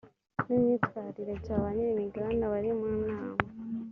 n imyitwarire bya banyirimigabane abari mu nama